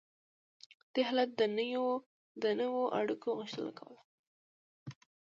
دې حالت د نویو اړیکو غوښتنه کوله.